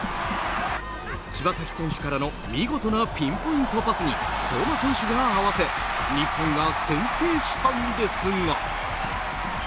柴崎選手からの見事なピンポイントパスに相馬選手が合わせ日本が先制したんですが。